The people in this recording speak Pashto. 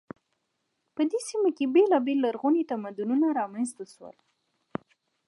په دې سیمه کې بیلابیل لرغوني تمدنونه رامنځته شول.